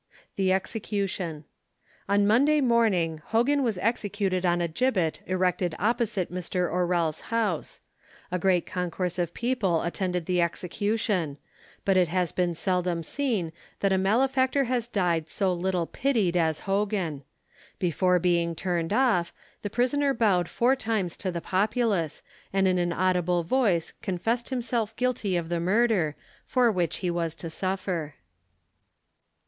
THE EXECUTION. On Monday morning Hogan was executed on a gibbet erected opposite Mr. Orrell's house. A great concourse of people attended the execution; but it has been seldom seen that a malefactor has died so little pitied as Hogan. Before being turned off, the prisoner bowed four times to the populace, and in an audible voice, confessed himself guilty of the murder, for which he was to suffer.